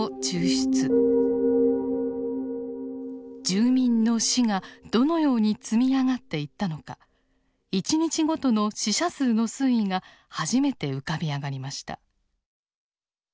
住民の死がどのように積み上がっていったのか１日ごとの死者数の推移が初めて浮かび上がりました。